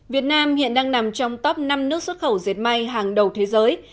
việt nam hiện đang nằm trong top năm nước xuất khẩu dệt may hàng đầu thế giới